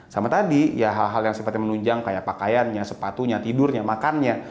sama tadi ya hal hal yang sifatnya menunjang kayak pakaiannya sepatunya tidurnya makannya